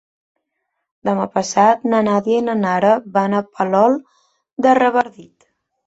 Demà passat na Nàdia i na Nara van a Palol de Revardit.